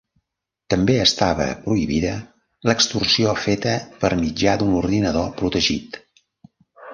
També estava prohibida l'extorsió feta per mitjà d'un ordinador protegit.